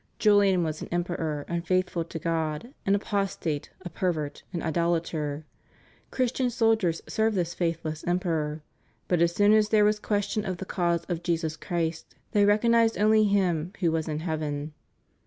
Julian was an emperor unfaithful to God, an apostate, a per vert, an idolator. Christian soliders served this faithless emperor, but as soon as there was question of the cause of Jesus Christ they recognized only Him who was in heaven.